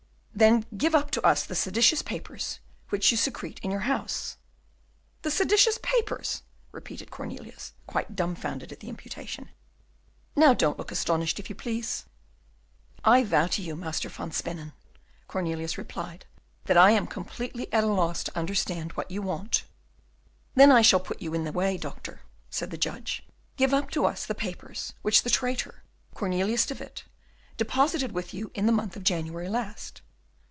"Then give up to us the seditious papers which you secrete in your house." "The seditious papers!" repeated Cornelius, quite dumfounded at the imputation. "Now don't look astonished, if you please." "I vow to you, Master van Spennen," Cornelius replied, "that I am completely at a loss to understand what you want." "Then I shall put you in the way, Doctor," said the judge; "give up to us the papers which the traitor Cornelius de Witt deposited with you in the month of January last."